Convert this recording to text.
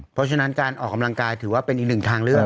เพราะฉะนั้นการออกกำลังกายถือว่าเป็นอีกหนึ่งทางเลือก